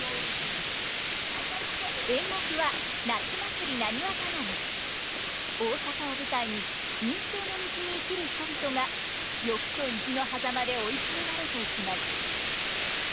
演目は大阪を舞台に任侠の道に生きる人々が欲と意地のはざまで追い詰められていきます。